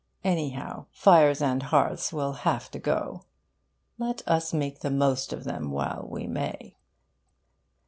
Anyhow, fires and hearths will have to go. Let us make the most of them while we may.